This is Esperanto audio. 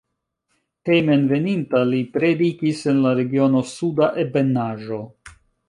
Hejmenveninta li predikis en la regiono Suda Ebenaĵo.